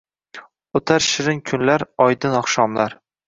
O‘tar shirin kunlar, oydin oqshomlar –